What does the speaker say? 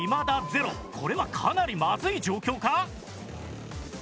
これはかなりまずい状況か？